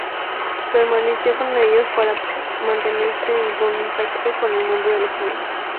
Permaneció con ellos para mantenerse en contacto con el mundo de los humanos.